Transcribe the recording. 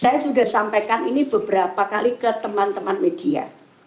saya sudah sampaikan ini beberapa kali ke teman teman media